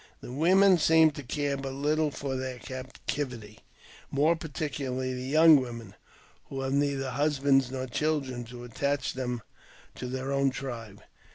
The women seem to care but little for their cap tivity, more particularly the young women, who have neither husbands nor children to attach them to their own tribe.